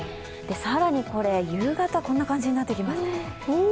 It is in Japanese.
更にこれ、夕方、こんな感じになってきます。